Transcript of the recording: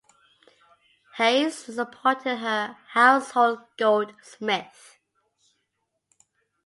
Hayes was appointed her household goldsmith.